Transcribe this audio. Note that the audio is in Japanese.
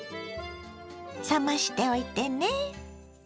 冷ましておいてね。